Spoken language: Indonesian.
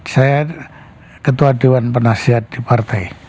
saya ketua dewan penasihat di partai